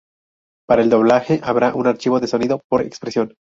Para el doblaje habrá un archivo de sonido por expresión.